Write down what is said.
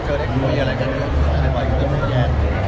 กับพี่แยน